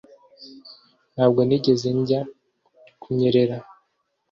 Ntabwo nigeze njya kunyerera